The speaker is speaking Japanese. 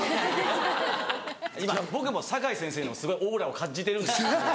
今僕も堺先生のすごいオーラを感じてるんですけど。